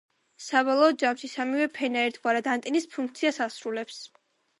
საბოლოო ჯამში, სამივე ფენა ერთგვარად, ანტენის ფუნქციას ასრულებს.